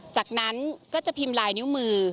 จากนั้นก็จะพิมพ์ลายนิ้วมือ